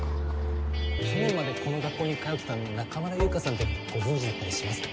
去年までこの学校に通ってた中村優香さんってご存じだったりしますか？